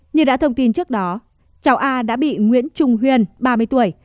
như đã thông tin trước đó cháu a đã bị nguyễn trung huyên ba mươi tuổi